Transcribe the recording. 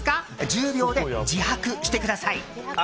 １０秒で自白してください！